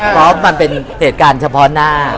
เพราะมันเป็นเหตุการณ์เฉพาะหน้า